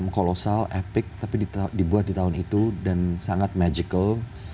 kolosal epic tapi dibuat di tahun itu dan sangat magical